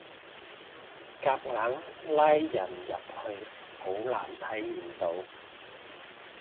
夾硬拉人入去好難睇唔到